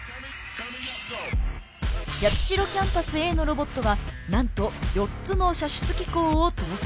八代キャンパスＡのロボットはなんと４つの射出機構を搭載。